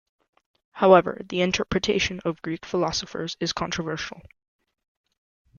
However, the interpretation of Greek philosophers is controversial.